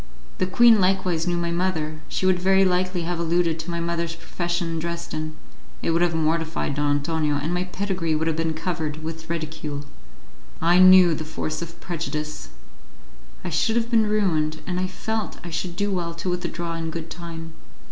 The queen likewise knew my mother; she would very likely have alluded to my mother's profession in Dresden; it would have mortified Don Antonio, and my pedigree would have been covered with ridicule. I knew the force of prejudice! I should have been ruined, and I felt I should do well to withdraw in good time.